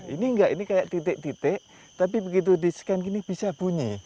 ini enggak ini kayak titik titik tapi begitu di scan gini bisa bunyi